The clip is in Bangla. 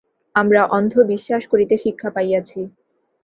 আমরা অন্ধবিশ্বাস করিতে শিক্ষা পাইয়াছি।